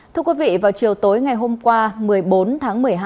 thưa quý vị vào chiều tối ngày hôm qua một mươi bốn tháng một mươi hai